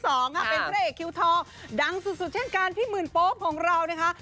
เป็นผู้แรกคิวทอดังสุดเช่นการพี่หมื่นโป๊บของเราเนี่ยค่ะ